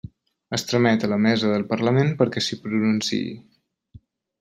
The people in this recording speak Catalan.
Es tramet a la Mesa del Parlament perquè s'hi pronunciï.